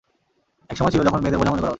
একসময় ছিল যখন মেয়েদের বোঝা মনে করা হতো।